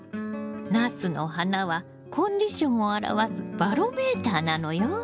ナスの花はコンディションを表すバロメーターなのよ。